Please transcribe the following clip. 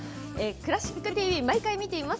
「クラシックＴＶ」毎回見ています。